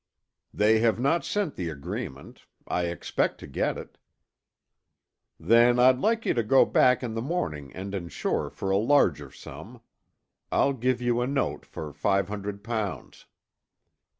"They have not sent the agreement. I expect to get it." "Then, I'd like you to go back in the morning and insure for a larger sum. I'll give you a note for five hundred pounds."